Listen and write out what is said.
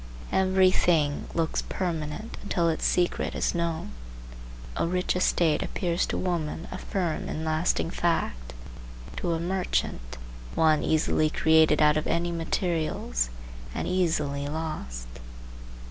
Every thing looks permanent until its secret is known. A rich estate appears to women a firm and lasting fact; to a merchant, one easily created out of any materials, and easily lost.